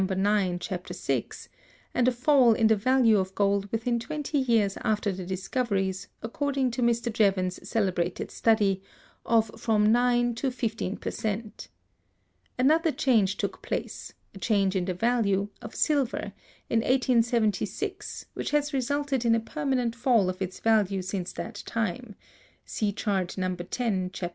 IX, Chap. VI), and a fall in the value of gold within twenty years after the discoveries, according to Mr. Jevons's celebrated study,(227) of from nine to fifteen per cent. Another change took place, a change in the value, of silver, in 1876, which has resulted in a permanent fall of its value since that time (see chart No. X, Chap.